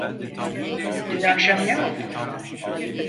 Dün akşam ne oldu?